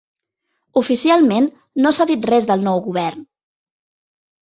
Oficialment, no s'ha dit res del nou govern.